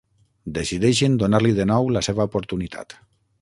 Decideixen donar-li de nou la seva oportunitat.